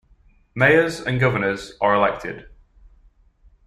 Mayors and governors are elected.